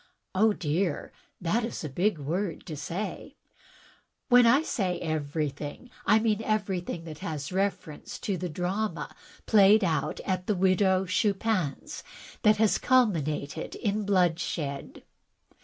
"Oh, dear, that is a big word to say." "When I say everjrthing, I mean everjrthing that has reference to the drama played at the Widow Chupin's which has culminated in bloodshed.